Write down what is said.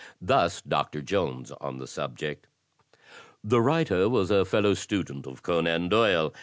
Thus Doctor Jones on the subject: "The writer was a fellow student of Conan Doyle.